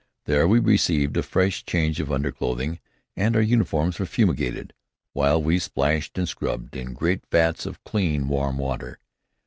There we received a fresh change of underclothing, and our uniforms were fumigated while we splashed and scrubbed in great vats of clean warm water.